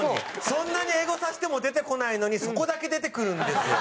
そんなにエゴサしても出てこないのにそこだけ出てくるんですよ。